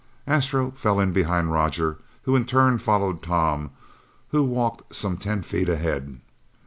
Astro fell in behind Roger, who in turn followed Tom who walked some ten feet ahead.